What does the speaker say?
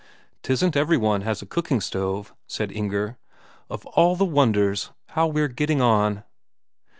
"'Tisn't every one has a cooking stove," said Inger. "Of all the wonders, how we're getting on!..."